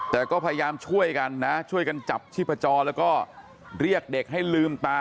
แต่ก็พยายามช่วยกันนะช่วยกันจับชีพจรแล้วก็เรียกเด็กให้ลืมตา